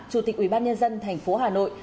chủ tịch ủy ban nhân dân thành phố hà nội